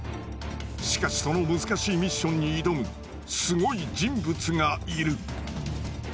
しかしその難しいミッションに挑むすごい人物がいる。